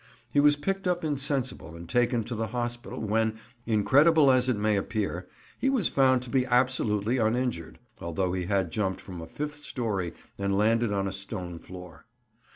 He was picked up insensible and taken to the hospital, when, incredible as it may appear, he was found to be absolutely uninjured, although he had jumped from a fifth storey and landed on a stone floor.